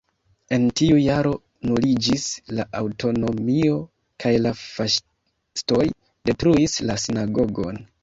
En tiu jaro nuliĝis la aŭtonomio kaj la faŝistoj detruis la sinagogon.